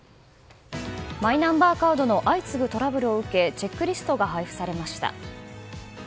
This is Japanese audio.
マイナンバーカードの相次ぐトラブルを受けチェックリストが配布されました。